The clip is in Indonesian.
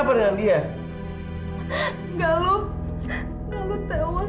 jika benar benar saya ini dikutuk karena kesalahan orang tua saya ki